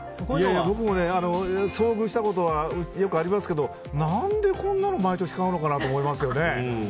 僕も遭遇したことはよくありますが何でこんなの毎年買うのかなと思いますよね。